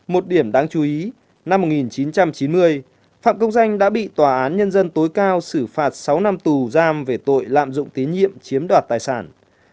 một điểm đáng chú ý năm một nghìn chín trăm chín mươi phạm công danh đã bị tòa án nhân dân tối cao xử phạt sáu năm tù giam về tội lạm dụng tín nhiệm chiếm đoạt tài sản